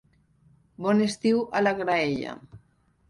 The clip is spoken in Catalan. Bon estiu a la graella.